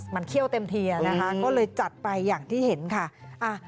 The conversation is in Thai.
มันเขี้ยวเต็มทีอ่ะนะคะก็เลยจัดไปอย่างที่เห็นค่ะ